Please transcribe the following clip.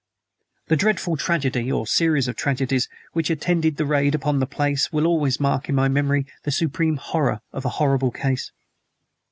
The dreadful tragedy (or series of tragedies) which attended the raid upon the place will always mark in my memory the supreme horror of a horrible case.